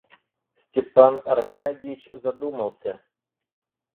Степан Аркадьич задумался.